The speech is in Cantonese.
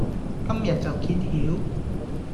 今日就揭曉